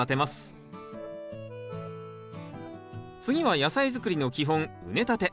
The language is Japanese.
次は野菜づくりの基本畝立て。